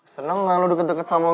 seneng nggak lo deket deket sama gue